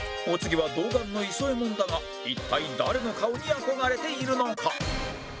お次は童顔のイソえもんだが一体誰の顔に憧れているのか？